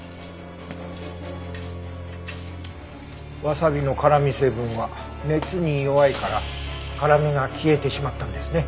ワサビの辛味成分は熱に弱いから辛味が消えてしまったんですね。